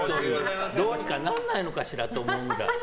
どうにかならないのかしらと思うわ。